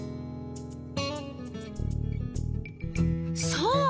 そう。